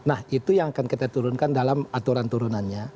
nah itu yang akan kita turunkan dalam aturan turunannya